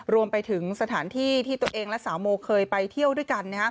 รวมไปถึงสถานที่ที่ตัวเองและสาวโมเคยไปเที่ยวด้วยกัน